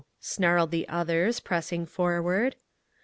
_ snarled the others, pressing forward.